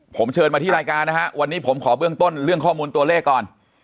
ผมเชิญมาที่รายการนะฮะวันนี้ผมขอเบื้องต้นเรื่องข้อมูลตัวเลขก่อน